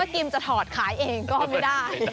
กินจะถอดขายเองก็ไม่ได้